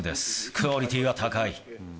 クオリティーは高い。